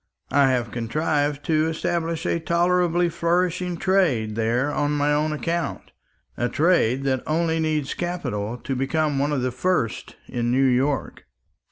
I have contrived to establish a tolerably flourishing trade there on my own account; a trade that only needs capital to become one of the first in New York."